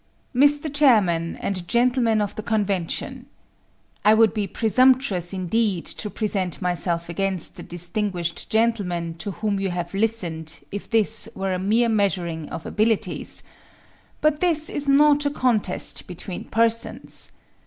Mr. Chairman and Gentlemen of the Convention: I would be presumptuous indeed to present myself against the distinguished gentlemen to whom you have listened if this were a mere measuring of abilities; but this is not a contest between persons.